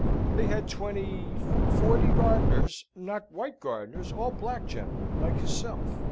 They had twenty forty gardeners, not white gardeners, all black gentlemen, like hisself.